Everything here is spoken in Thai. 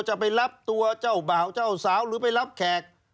จะไปรับตัวเจ้าบ่าวเจ้าสาวหรือไปรับแขก